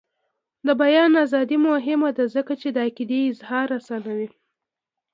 د بیان ازادي مهمه ده ځکه چې د عقیدې اظهار اسانوي.